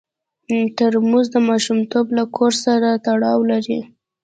ترموز د ماشومتوب له کور سره تړاو لري.